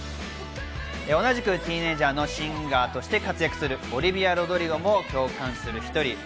同じくティーンエージャーのシンガーとして活躍するオリヴィア・ロドリゴも共感する一人。